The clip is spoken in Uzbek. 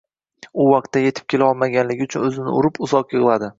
U vaqtida etib kelolmagani uchun o`zini urib, uzoq yig`ladi